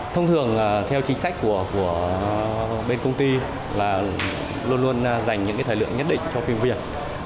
thông thường theo chính sách của bên công ty là luôn luôn dành những thời lượng nhất định cho phim việt